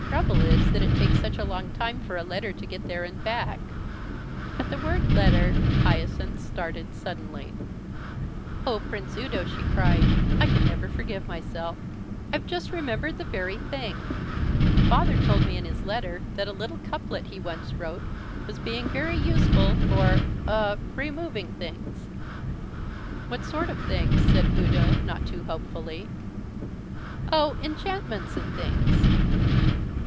The trouble is that it takes such a long time for a letter to get there and back." At the word "letter," Hyacinth started suddenly. "Oh, Prince Udo," she cried, "I can never forgive myself. I've just remembered the very thing. Father told me in his letter that a little couplet he once wrote was being very useful for er removing things." "What sort of things?" said Udo, not too hopefully. "Oh, enchantments and things."